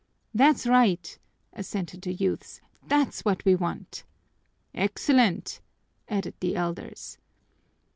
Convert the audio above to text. "That's right!" assented the youths. "That's what we want." "Excellent!" added the elders.